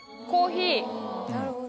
コーヒー。